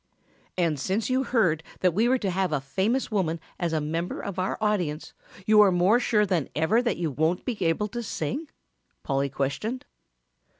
"And since you heard that we were to have a famous woman as a member of our audience you are more sure than ever that you won't be able to sing?" Polly questioned.